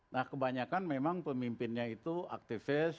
nah kebanyakan memang pemimpinnya itu aktivis